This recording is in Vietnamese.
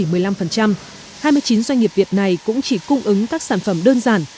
hai mươi chín doanh nghiệp việt này cũng chỉ cung ứng các sản phẩm đơn giản